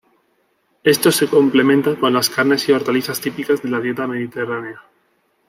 Esto se complementa con las carnes y hortalizas típicas de la dieta mediterránea.